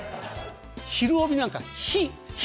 「ひるおび！」なんか「ひ」